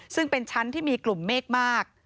ซึ่งเป็นชั้นที่มีกลุ่มเมฆมาก